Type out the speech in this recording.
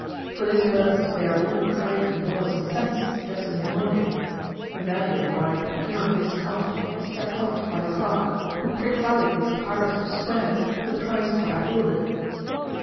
For this purpose they are all priced in dollars and cents, just as in your day. The value of what I procure on this card is checked off by the clerk, who pricks out of these tiers of squares the price of what I order."